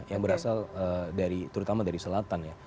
yang berasal dari terutama dari selatan ya